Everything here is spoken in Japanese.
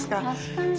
あ確かに。